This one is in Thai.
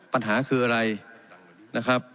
ปัญหาคืออะไรนะครับ